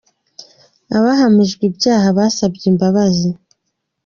Abahamijwe ibyaha basabye imbabazi.